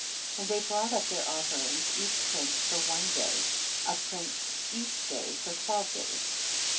8. And they brought up their of ferings each prince for one day, a prince each day for twelve days.